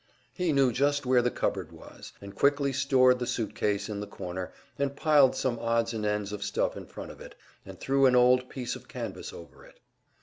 He knew just where the cupboard was, and quickly stored the suit case in the corner, and piled some odds and ends of stuff in front of it, and threw an old piece of canvas over it.